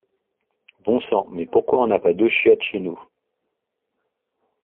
Bon sang mais pourquoi on n'a pas deux chiottes chez nous!